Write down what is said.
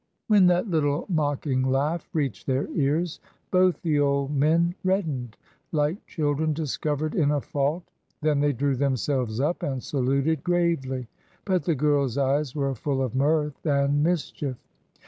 When that little mocking laugh reached their ears, both the old men reddened, like children discovered in a fault. Then they drew themselves up and saluted gravely; but the girl's eyes were full of mirth and mischief.